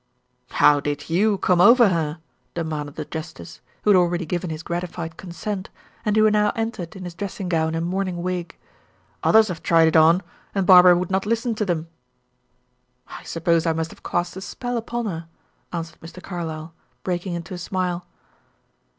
"How did you come over her?" demanded the justice, who had already given his gratified consent, and who now entered in his dressing gown and morning wig. "Others have tried it on, and Barbara would not listen to them." "I suppose I must have cast a spell upon her," answered Mr. Carlyle, breaking into a smile.